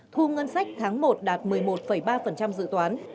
thu ngân sách tháng một đạt một mươi một ba dự toán